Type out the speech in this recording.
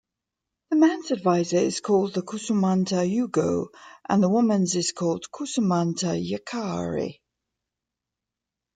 The man's advisor is called the "khoussoumanta-yougo" and the woman's is called "khoussoumanta-yakhare".